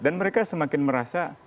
dan mereka semakin merasa